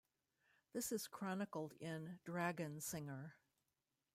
This is chronicled in "Dragonsinger".